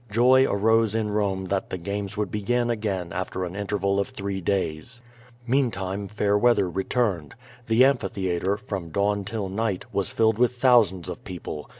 Joy arose in Rome that tlift games would begin again after an interval of three days. Meantime fair weather returned. The amphitheatre, from dawn till nighty wriS filled with thousands of people.